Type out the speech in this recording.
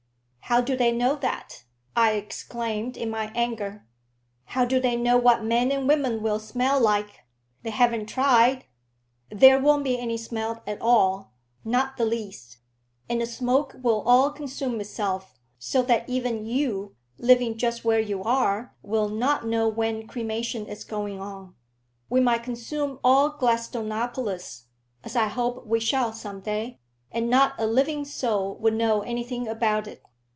"How do they know that?" I exclaimed, in my anger. "How do they know what men and women will smell like? They haven't tried. There won't be any smell at all not the least; and the smoke will all consume itself, so that even you, living just where you are, will not know when cremation is going on. We might consume all Gladstonopolis, as I hope we shall some day, and not a living soul would know anything about it.